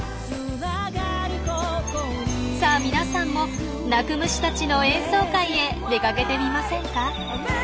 さあ皆さんも鳴く虫たちの演奏会へ出かけてみませんか？